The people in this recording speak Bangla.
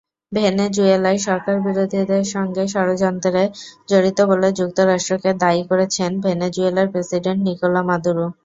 ভেনেজুয়েলায় সরকারবিরোধীদের সঙ্গে ষড়যন্ত্রে জড়িত বলে যুক্তরাষ্ট্রকে দায়ী করেছেন ভেনেজুয়েলার প্রেসিডেন্ট নিকোলা মাদুরো।